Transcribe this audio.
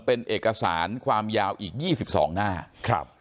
เป็นเอกสารความยาวอีก๒๒หน้าครับ